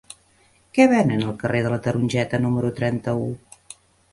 Què venen al carrer de la Tarongeta número trenta-u?